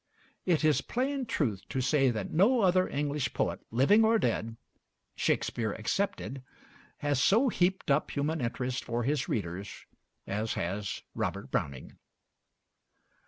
It is plain truth to say that no other English poet, living or dead, Shakespeare excepted, has so heaped up human interest for his readers as has Robert Browning....